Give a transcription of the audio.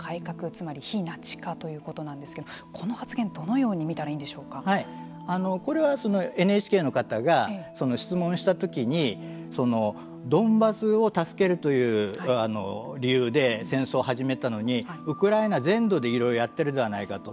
つまり非ナチ化ということなんですけれどもこの発言はどのように見たらこれはＮＨＫの方が質問したときにドンバスを助けるという理由で戦争を始めたのにウクライナ全土でいろいろやっているではないかと。